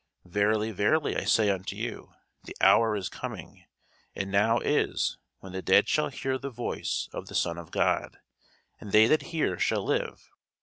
Verily, verily, I say unto you, The hour is coming, and now is, when the dead shall hear the voice of the Son of God: and they that hear shall live.